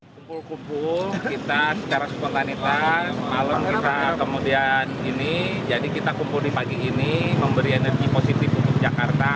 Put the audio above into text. kumpul kumpul kita secara spontanitas malam kita kemudian ini jadi kita kumpul di pagi ini memberi energi positif untuk jakarta